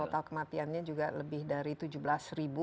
dan total kematiannya juga lebih dari tujuh belas ribu